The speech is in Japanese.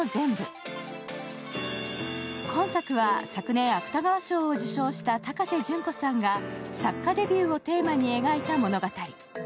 今作は昨年、芥川賞を受賞した高瀬隼子さんが、作家デビューをテーマに描いた物語。